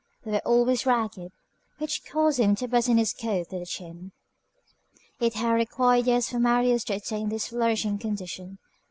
They were always ragged, which caused him to button his coat to the chin. It had required years for Marius to attain to this flourishing condition.